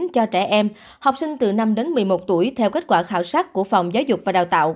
cho trẻ em học sinh từ năm đến một mươi một tuổi theo kết quả khảo sát của phòng giáo dục và đào tạo